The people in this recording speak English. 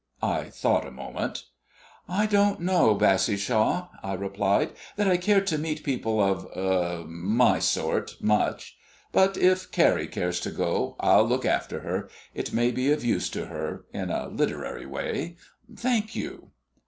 I thought a moment. "I don't know, Bassishaw," I replied "that I care to meet people of er my sort, much. But if Carrie cares to go, I'll look after her. It may be of use to her in a literary way. Thank you."